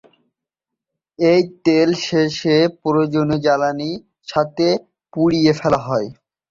এই তেল শেষ পর্যন্ত জ্বালানীর সাথে পুড়িয়ে ফেলা হয়।